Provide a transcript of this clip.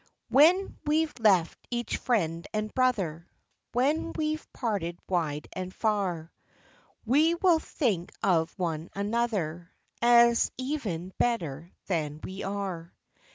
PARTING. 189 When we've left each friend and brother, When we've parted wide and far, We will think of one another, As even better than we are.